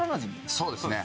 そうですね。